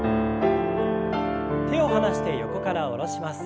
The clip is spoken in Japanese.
手を離して横から下ろします。